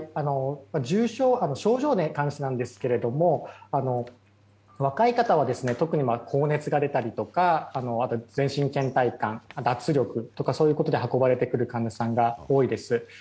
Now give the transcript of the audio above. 症状に関してなんですが若い方は特に高熱が出たりとかあとは全身の倦怠感脱力といったそういうことで運ばれてくる患者さんが多いです。